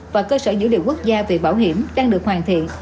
và cơ sở dữ liệu quốc gia về bảo hiểm đang được hoàn thiện